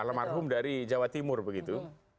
alam marhum dari jawa timur begitu